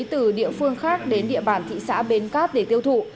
từ địa phương khác đến địa bàn thị xã bến cát để tiêu thụ